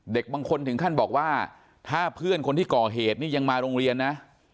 บางคนถึงขั้นบอกว่าถ้าเพื่อนคนที่ก่อเหตุนี่ยังมาโรงเรียนนะ